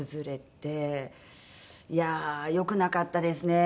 いやあよくなかったですね